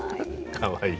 かわいい。